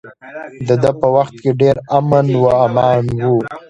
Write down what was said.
د ده په وخت کې ډیر امن و امان و.